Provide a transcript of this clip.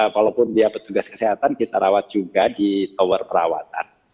walaupun dia petugas kesehatan kita rawat juga di tower perawatan